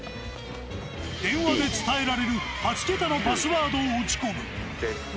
電話で伝えられる８桁のパスワードを打ち込む。